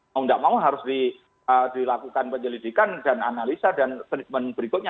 mau tidak mau harus dilakukan penyelidikan dan analisa dan treatment berikutnya